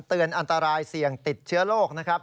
เตือนอันตรายเสี่ยงติดเชื้อโรคนะครับ